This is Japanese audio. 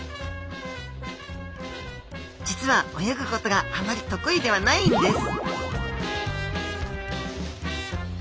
実は泳ぐことがあまり得意ではないんです